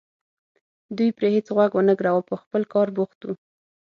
دوی پرې هېڅ غوږ ونه ګراوه په خپل کار بوخت وو.